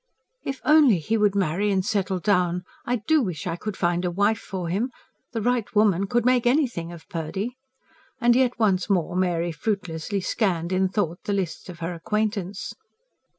"If only he would marry and settle down! I do wish I could find a wife for him. The right woman could make anything of Purdy"; and yet once more Mary fruitlessly scanned, in thought, the lists of her acquaintance.